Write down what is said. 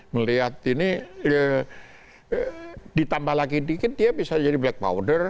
melihat ini ditambah lagi dikit dia bisa jadi black powder